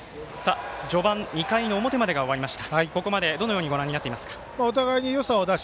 序盤、２回表まで終わりました。